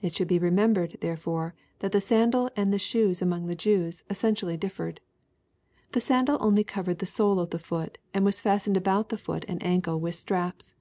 It should be remembered, therefore, that the sandal and the shoes among the Jews, essentially differed. The sandal only covered the sole of the foot and was fastened about the foot and ancle with straps.